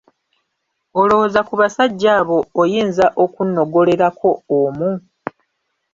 Olowooza ku basajja abo oyinza okunnogolerako omu?